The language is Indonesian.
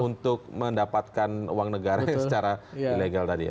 untuk mendapatkan uang negara secara ilegal tadi